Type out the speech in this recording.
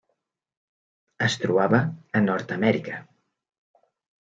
Es trobava a Nord-amèrica: